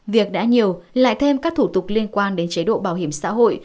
việc đã nhiều lại thêm các thủ tục liên quan đến chế độ bảo hiểm xã hội